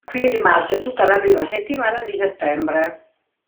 Qui rimase tutta la prima settimana di settembre.